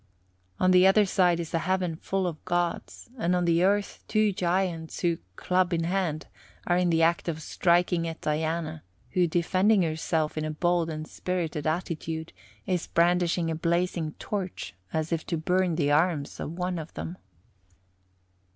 On the other side is a Heaven full of Gods, and on the earth two Giants who, club in hand, are in the act of striking at Diana, who, defending herself in a bold and spirited attitude, is brandishing a blazing torch as if to burn the arms of one of them.